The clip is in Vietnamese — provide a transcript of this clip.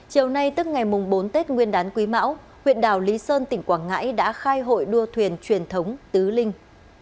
chiều nay tức ngày bốn tết nguyên đán quý mão huyện đảo lý sơn tỉnh quảng ngãi đã khai hội đua thuyền truyền thống tứ linh